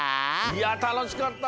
いやたのしかった！